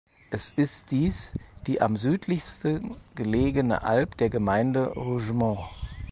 Es ist dies die am südlichsten gelegene Alp der Gemeinde Rougemont.